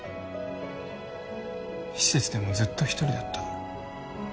施設でもずっと独りだった。